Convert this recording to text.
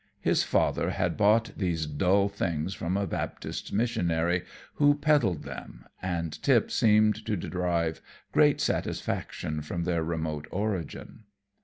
His father had bought these dull things from a Baptist missionary who peddled them, and Tip seemed to derive great satisfaction from their remote origin.